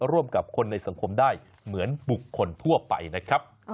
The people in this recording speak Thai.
ร่วมกับคนในสังคมได้เหมือนบุคคลทั่วไปนะครับ